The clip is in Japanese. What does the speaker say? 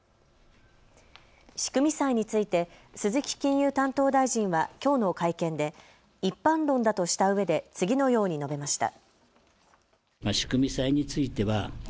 仕組み債について鈴木金融担当大臣はきょうの会見で一般論だとしたうえで次のように述べました。